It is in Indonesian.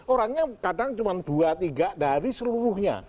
orangnya kadang cuma dua tiga dari seluruhnya